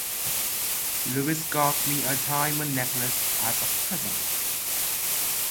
Lewis got me a diamond necklace as a present.